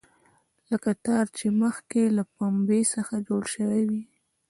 لکه تار چې مخکې له پنبې څخه جوړ شوی وي.